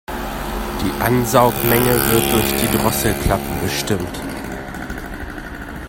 Die Ansaugmenge wird durch die Drosselklappe bestimmt.